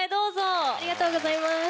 ありがとうございます。